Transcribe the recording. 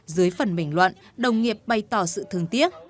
dưới phần bình luận đồng nghiệp bày tỏ sự thương tiếc